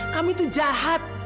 kamu itu jahat